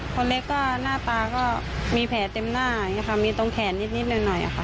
คนเล็กก็หน้าตาก็มีแผลเต็มหน้ามีตรงแขนนิดหน่อยค่ะ